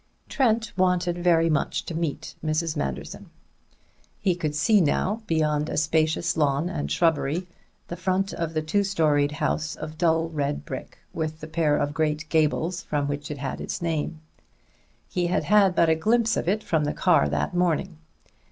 Trent wanted very much to meet Mrs. Manderson. He could see now, beyond a spacious lawn and shrubbery, the front of the two storied house of dull red brick, with the pair of great gables from which it had its name. He had had but a glimpse of it from the car that morning.